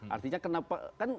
artinya kenapa kan